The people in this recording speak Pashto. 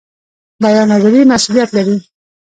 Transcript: بیان ازادي مسوولیت لري